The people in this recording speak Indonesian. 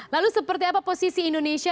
lalu seperti apa posisi indonesia